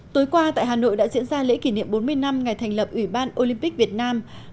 tối qua tại hà nội đã diễn ra lễ kỷ niệm bốn mươi năm ngày thành lập ủy ban olympic việt nam